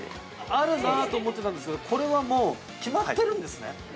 ◆あるなあと思っていたんですけど、これは、もう決まってるんですね。